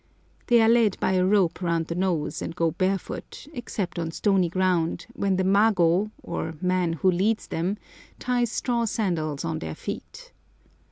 They are led by a rope round the nose, and go barefoot, except on stony ground, when the mago, or man who leads them, ties straw sandals on their feet.